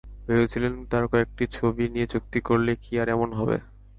ভেবেছিলেন, তাঁর কয়েকটি ছবি নিয়ে চুক্তি করলে কী আর এমন হবে।